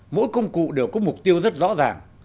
mỗi công cụ đều có mục tiêu rất rõ ràng